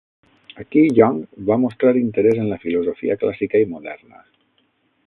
Aquí Young va mostrar interès en la filosofia clàssica i moderna.